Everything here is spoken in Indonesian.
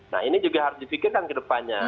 nah ini juga harus dipikirkan ke depannya